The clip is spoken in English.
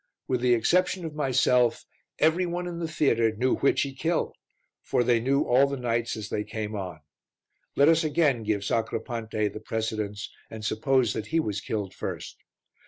With the exception of myself, every one in the theatre knew which he killed, for they knew all the knights as they came on. Let us again give Sacripante the precedence and suppose that he was killed first.